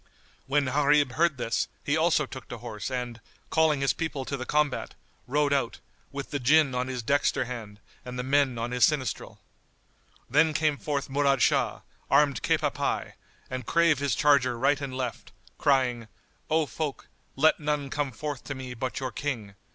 When Gharib heard this, he also took to horse and, calling his people to the combat, rode out, with the Jinn on his dexter hand and the men on his sinistral. Then came forth Murad Shah, armed cap à pie and drave his charger right and left, crying, "O folk, let none come forth to me but your King.